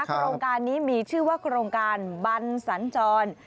โครงการนี้มีชื่อว่าโครงการบันสัญจร